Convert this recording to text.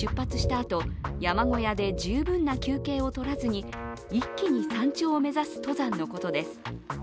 あと山小屋で十分な休憩をとらずに一気に山頂を目指す登山のことです。